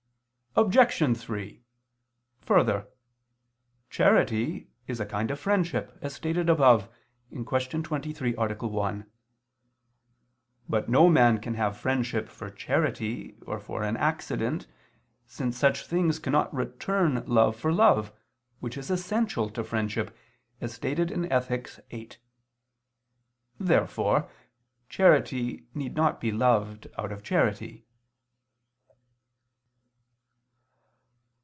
Obj. 3: Further, charity is a kind of friendship, as stated above (Q. 23, A. 1). But no man can have friendship for charity or for an accident, since such things cannot return love for love, which is essential to friendship, as stated in Ethic. viii. Therefore charity need not be loved out of charity.